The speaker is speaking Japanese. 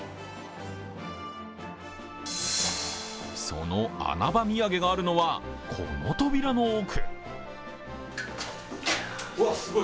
その穴場土産があるのは、この扉の奥。